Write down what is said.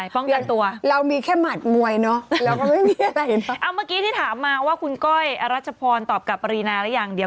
คุณแม่มีโทรศัพท์เครื่องเดินหากินได้ทั่วประเทศเลย